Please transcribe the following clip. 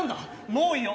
もういいよ！